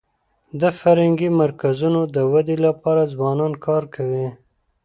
د فرهنګي مرکزونو د ودي لپاره ځوانان کار کوي.